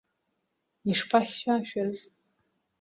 Ишԥахьшәашәаз!